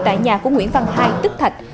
tại nhà của nguyễn văn hai tức thạch